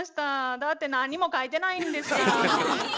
だって何にも描いてないんですから。